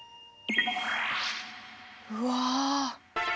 うわ。